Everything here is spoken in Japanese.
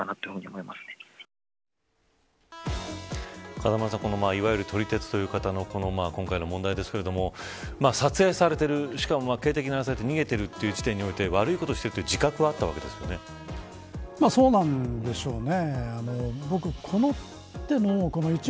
風間さん、いわゆるこの撮り鉄という方の今回の問題ですけれども撮影されてる、しかも警笛鳴らされて逃げていることにおいて悪いことをしてる自覚はそうなんでしょうね。